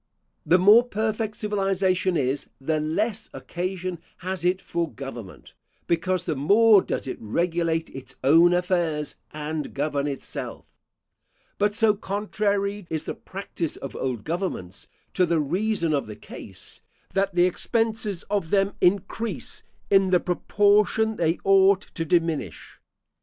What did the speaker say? The more perfect civilisation is, the less occasion has it for government, because the more does it regulate its own affairs, and govern itself; but so contrary is the practice of old governments to the reason of the case, that the expenses of them increase in the proportion they ought to diminish.